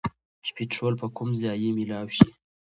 چې پيټرول به کوم ځايې مېلاؤ شي